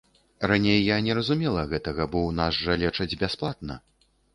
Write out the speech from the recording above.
Раней я не разумела гэтага, бо ў нас жа лечаць бясплатна.